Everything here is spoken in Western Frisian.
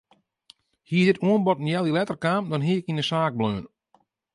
Hie dit oanbod in healjier letter kaam dan hie ik yn de saak bleaun.